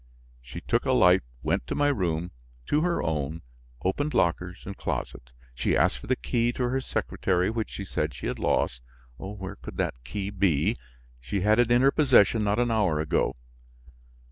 She took a light, went to my room, to her own, opened lockers and closets. She asked for the key to her secretary which she said she had lost. Where could that key be? She had it in her possession not an hour ago.